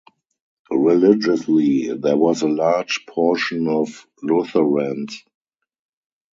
Religiously, there was a large portion of Lutherans.